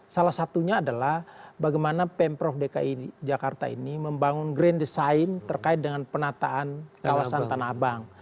salah satunya adalah bagaimana pemprov dki jakarta ini membangun grand design terkait dengan penataan kawasan tanah abang